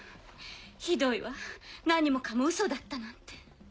ひどいわ何もかもウソだったなんて。